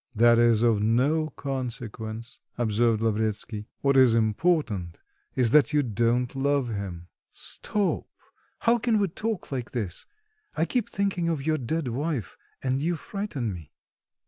"That is of no consequence," observed Lavretsky, "what is important is that you don't love him." "Stop, how can we talk like this? I keep thinking of you dead wife, and you frighten me."